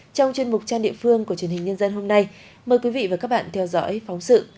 trong chuyên mục trang địa phương của truyền hình nhân dân hôm nay mời quý vị và các bạn theo dõi phóng sự